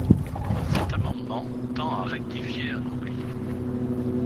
Cet amendement tend à rectifier un oubli.